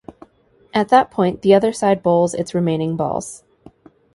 At that point, the other side bowls its remaining balls.